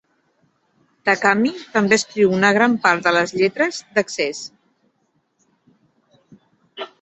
Takami també escriu una gran part de les lletres d'Access.